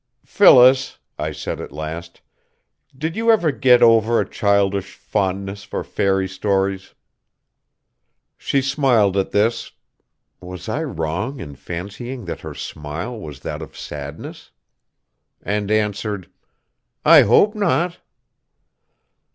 "Phyllis," I said at last, "did you ever get over a childish fondness for fairy stories?" She smiled at this was I wrong in fancying that her smile was that of sadness? and answered: "I hope not."